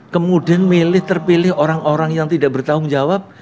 kemudian milih terpilih orang orang yang tidak bertanggung jawab